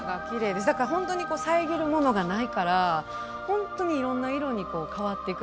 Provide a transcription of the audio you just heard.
だからホントに遮るものがないからホントにいろんな色に変わってく空。